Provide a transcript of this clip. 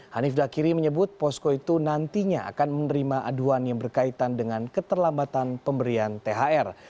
hanif dakiri menyebut posko itu nantinya akan menerima aduan yang berkaitan dengan keterlambatan pemberian thr